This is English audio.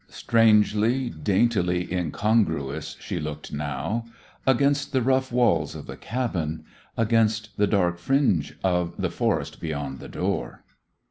Strangely, daintily incongruous she looked now against the rough walls of the cabin, against the dark fringe of the forest beyond the door.